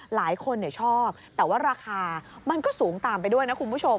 หลายคนชอบแต่ว่าราคามันก็สูงตามไปด้วยนะคุณผู้ชม